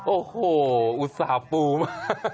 โอ้โหอุตส่าห์ปูมาก